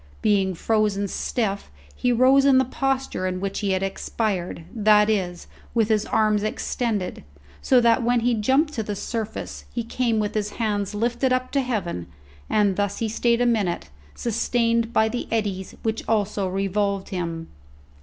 Being frozen stiff he rose in the posture in which he had expired, that is, with his arms extended; so that, when he jumped to the surface, he came with his hands lifted up to heaven, and thus he stayed a minute, sustained by the eddies which also revolved him.